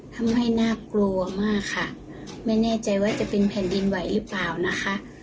น่ากลัวมากค่ะไม่แน่ใจว่าจะเป็นแผ่นดินไหวหรือเปล่านะคะ